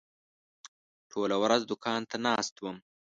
ټوله ورځ دوکان ته ناست وم.